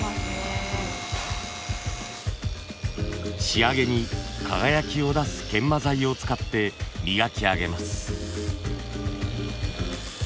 仕上げに輝きを出す研磨材を使って磨き上げます。